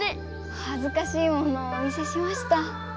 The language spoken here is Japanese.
はずかしいものをお見せしました。